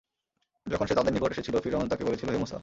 যখন সে তাদের নিকট এসেছিল, ফিরআউন তাকে বলেছিল, হে মূসা!